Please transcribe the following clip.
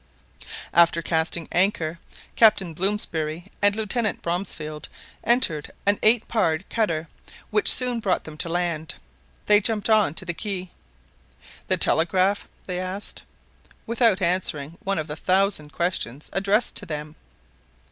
After casting anchor, Captain Blomsberry and Lieutenant Bronsfield entered an eight pared cutter, which soon brought them to land. They jumped on to the quay. "The telegraph?" they asked, without answering one of the thousand questions addressed to them.